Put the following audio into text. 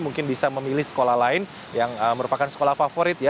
mungkin bisa memilih sekolah lain yang merupakan sekolah favorit ya